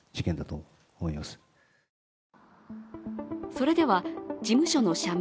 それでは事務所の社名